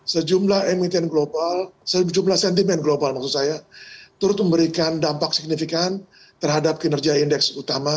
sejumlah emiten global sejumlah sentimen global maksud saya turut memberikan dampak signifikan terhadap kinerja indeks utama